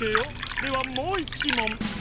ではもういちもん。